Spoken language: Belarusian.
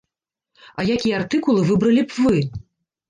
А якія артыкулы выбралі б вы?